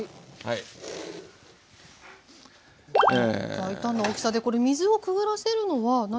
大胆な大きさでこれ水をくぐらせるのは何か？